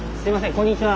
こんにちは。